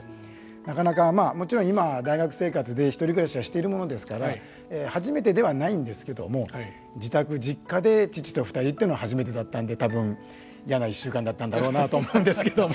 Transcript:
なかなかまあもちろん今大学生活で１人暮らしはしているものですから初めてではないんですけども自宅実家で父と２人というのは初めてだっんで多分嫌な１週間だったんだろうなと思うんですけども。